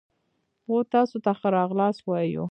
و تاسو ته ښه راغلاست وایو.